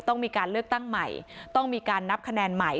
ต้องมีการเลือกตั้งใหม่ต้องมีการนับคะแนนใหม่